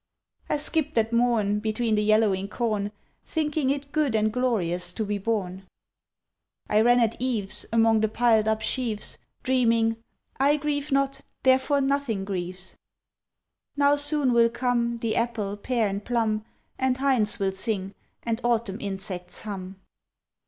I skipped at morn Between the yellowing corn, Thinking it good and glorious to be born. I ran at eves Among the piled up sheaves, Dreaming, "I grieve not, therefore nothing grieves." Now soon will come The apple, pear, and plum And hinds will sing, and autumn insects hum.